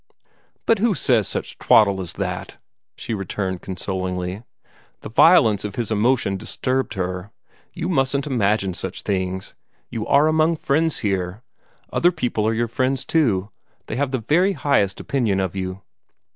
"But who says such twaddle as that?" she returned consolingly. The violence of his emotion disturbed her. "You mustn't imagine such things. You are among friends here. Other people are your friends, too. They have the very highest opinion of you."